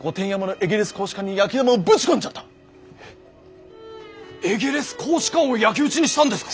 エゲレス公使館を焼き討ちにしたんですか？